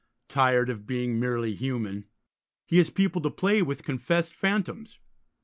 'Tired of being merely human,' he has peopled a play with confessed phantoms.